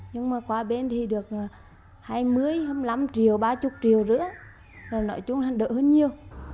nhưng mà qua bên thì được hai mươi hai mươi năm triệu ba mươi triệu nữa rồi nói chung hàng đỡ hơn nhiều